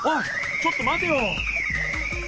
ちょっとまてよ！